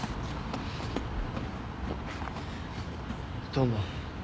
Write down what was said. どうも。